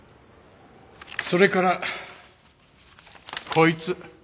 それからこいつ。